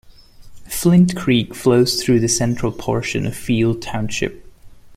Flint Creek flows through the central portion of Field Township.